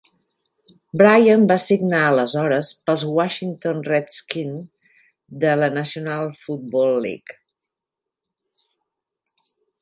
Bryant va signar aleshores pels Washington Redskins de la National Football League.